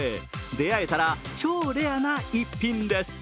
出会えたら超レアな一品です。